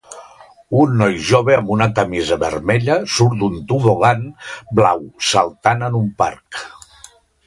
Un noi jove amb una camisa vermella surt d'un tobogan blau saltant en un parc.